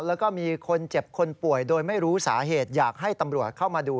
แล้วก็มีคนเจ็บคนป่วยโดยไม่รู้สาเหตุอยากให้ตำรวจเข้ามาดู